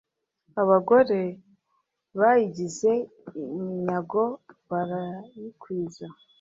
abagore bayigize iminyago barayikwiza